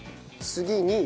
次に。